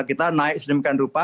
kita naik sedemikian rupa